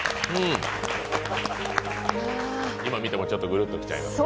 今見てもちょっとうるっと来ちゃいます？